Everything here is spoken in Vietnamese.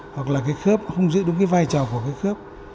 hoặc là cái khớp không giữ đúng cái vai trò của cái khớp